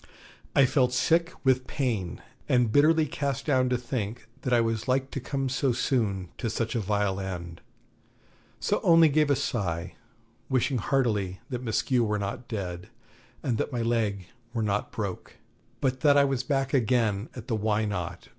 I felt sick with pain and bitterly cast down to think that I was like to come so soon to such a vile end; so only gave a sigh, wishing heartily that Maskew were not dead, and that my leg were not broke, but that I was back again at the Why Not?